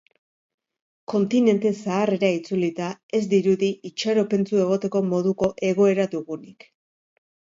Kontinente zaharrera itzulita, ez dirudi itxaropentsu egoteko moduko egoera dugunik.